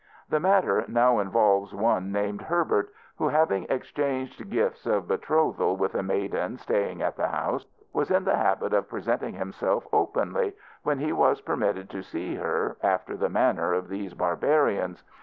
The matter now involves one named Herbert, who having exchanged gifts of betrothal with a maiden staying at the house, was in the habit of presenting himself openly, when he was permitted to see her, after the manner of these barbarians.